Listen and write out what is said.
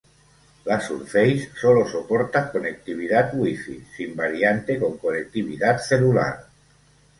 La Surface sólo soporta conectividad WiFi, sin variante con conectividad celular.